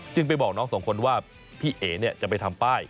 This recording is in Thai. ไปบอกน้องสองคนว่าพี่เอ๋จะไปทำป้าย